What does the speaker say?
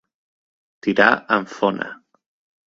Tirar amb fona.